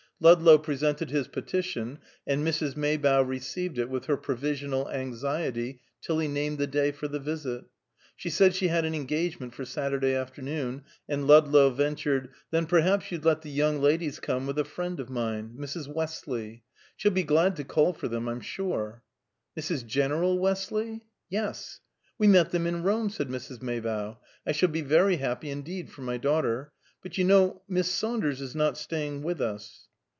Ludlow presented his petition, and Mrs. Maybough received it with her provisional anxiety till he named the day for the visit. She said she had an engagement for Saturday afternoon, and Ludlow ventured, "Then perhaps you'd let the young ladies come with a friend of mine: Mrs. Westley. She'll be glad to call for them, I'm sure." "Mrs. General Westley?" "Yes." "We met them in Rome," said Mrs. Maybough. "I shall be very happy, indeed, for my daughter. But you know Miss Saunders is not staying with us?"